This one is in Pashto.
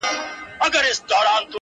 کرونا راغلې پر انسانانو-